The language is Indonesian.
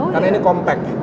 karena ini kompak